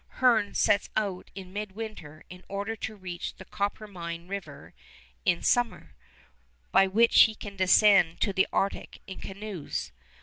Hearne sets out in midwinter in order to reach the Coppermine River in summer, by which he can descend to the Arctic in canoes.